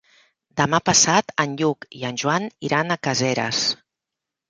Demà passat en Lluc i en Joan iran a Caseres.